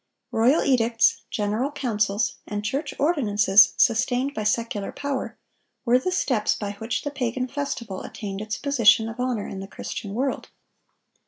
Royal edicts, general councils, and church ordinances sustained by secular power, were the steps by which the pagan festival attained its position of honor in the Christian world.